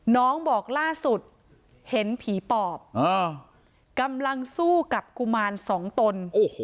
บอกล่าสุดเห็นผีปอบกำลังสู้กับกุมารสองตน